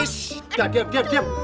shhh diam diam